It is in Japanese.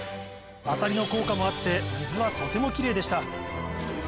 アサリの効果もあって水はとても奇麗でした。